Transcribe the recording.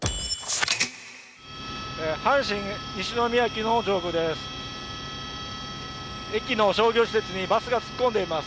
阪神西宮駅の上空です。